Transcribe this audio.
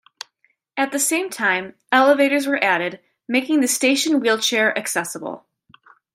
At the same time, elevators were added, making the station wheelchair-accessible.